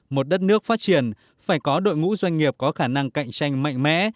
một đất nước phát triển phải có đội ngũ doanh nghiệp có khả năng cạnh tranh mạnh mẽ